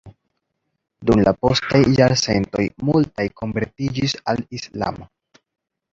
Dum la postaj jarcentoj multaj konvertiĝis al Islamo.